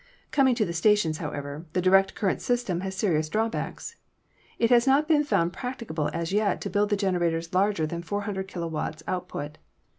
Coming to the stations, however, the direct current system has serious drawbacks. It has not been found practicable as yet to build the generators larger than 400 kw. output.